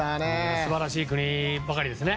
素晴らしい国ばかりですね。